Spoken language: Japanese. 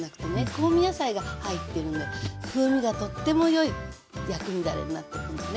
香味野菜が入ってるので風味がとってもよい薬味だれになってるのね。